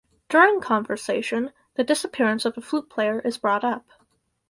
During conversation, the disappearance of the flute player is brought up.